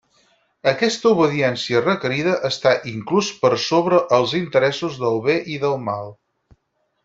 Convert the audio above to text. Aquesta obediència requerida està inclús per sobre els interessos del bé i del mal.